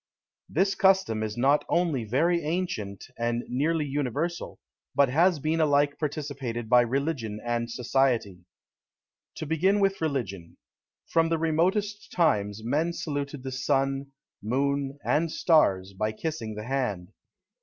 This custom is not only very ancient, and nearly universal, but has been alike participated by religion and society. To begin with religion. From the remotest times men saluted the sun, moon, and stars, by kissing the hand.